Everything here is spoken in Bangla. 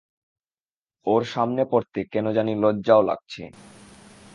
ওর সামনে পড়তে কেন জানি লজ্জাও লাগছে।